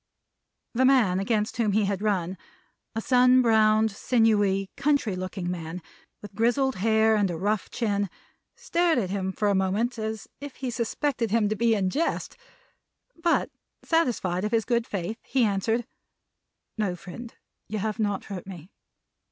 The man against whom he had run, a sun browned, sinewy, country looking man, with grizzled hair and a rough chin, stared at him for a moment, as if he suspected him to be in jest. But, satisfied of his good faith, he answered: "No, friend. You have not hurt me."